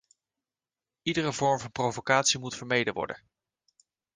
Iedere vorm van provocatie moet vermeden worden.